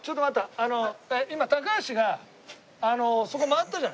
あの今高橋がそこ回ったじゃん。